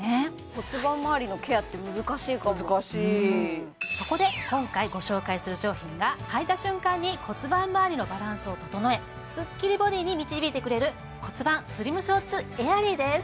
骨盤まわりのケアって難しいかも難しいそこで今回ご紹介する商品がはいた瞬間に骨盤まわりのバランスを整えスッキリボディに導いてくれる骨盤スリムショーツエアリーです